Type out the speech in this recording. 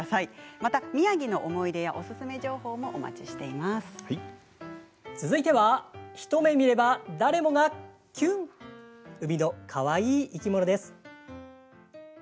また宮城の思い出やおすすめ情報続いては一目見れば誰もがキュン海のかわいい生き物です。